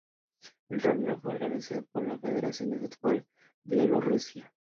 El torneo fue organizado por la Federación de Fútbol de Bielorrusia.